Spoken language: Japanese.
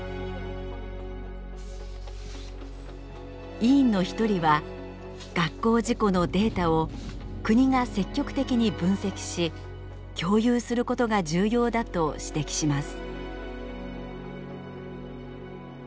委員の一人は学校事故のデータを国が積極的に分析し共有することが重要だと指摘します。